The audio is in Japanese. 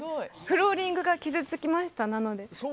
フローリングが傷つきました。